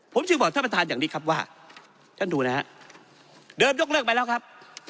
ผมจึงบอกท่านประธานอย่างนี้ครับว่าท่านดูนะฮะเดิมยกเลิกไปแล้วครับ